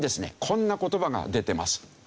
こんな言葉が出てます。